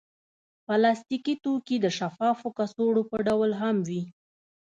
پلاستيکي توکي د شفافو کڅوړو په ډول هم وي.